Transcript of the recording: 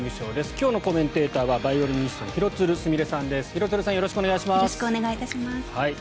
今日のコメンテーターはバイオリニストの廣津留すみれさんです。